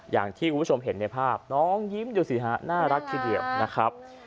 อย่างที่คุณผู้ชมเห็นในภาพน้องยิ้มดูสิฮะน่ารักทีเดียวนะครับ